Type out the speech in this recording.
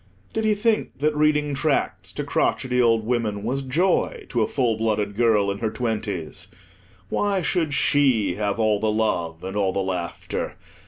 Did he think that reading tracts to crotchety old women was joy to a full blooded girl in her twenties? Why should she have all the love, and all the laughter?